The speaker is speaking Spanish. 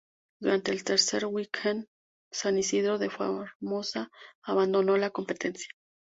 Durante el tercer weekend San Isidro de Formosa abandonó la competencia.